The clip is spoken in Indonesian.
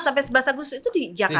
sampai sebelas agustus itu di jakarta